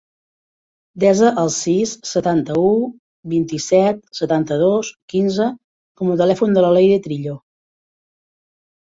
Desa el sis, setanta-u, vint-i-set, setanta-dos, quinze com a telèfon de la Leire Trillo.